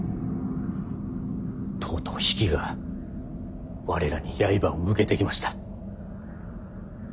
とうとう比企が我らに刃を向けてきました。